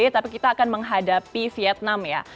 tapi kita akan menghadapi vietnam ya